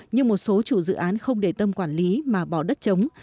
nhưng một số chủ dự án không để tâm quản lý mà bỏ đất chống